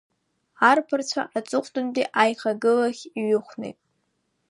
Арԥарцәа аҵыхәтәантәи аихагылахь иҩыхәнеит.